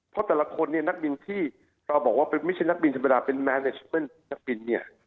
เพราะแต่ละคนนักบินที่ไม่ใช่นักบินธรรมดาเป็นเมนเจิมนักบิน